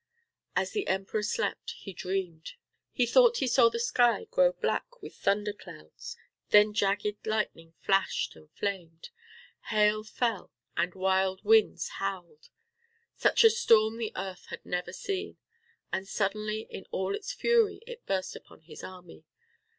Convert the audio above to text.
As the Emperor slept, he dreamed. He thought he saw the sky grow black with thunder clouds, then jagged lightning flashed and flamed, hail fell and wild winds howled. Such a storm the earth had never seen, and suddenly in all its fury it burst upon his army.